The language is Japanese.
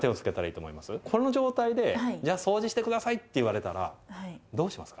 この状態でじゃあそうじして下さいって言われたらどうしますか？